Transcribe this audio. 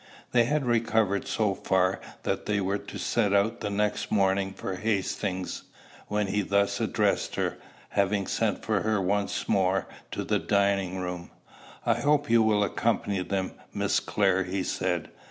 They had recovered so far that they were to set out the next morning for Hastings, when he thus addressed her, having sent for her once more to the dining room: "I hope you will accompany them, Miss Clare," he said.